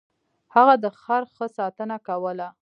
هغه د خر ښه ساتنه کوله.